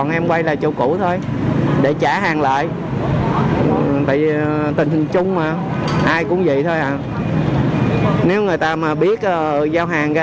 nhưng không thể ch